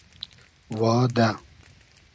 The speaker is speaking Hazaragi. وا دۂ